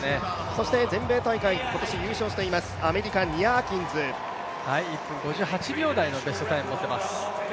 そして全米大会今年優勝しています、アメリカ、ニア・アキンズ１分５８秒台のベストタイムを持っています。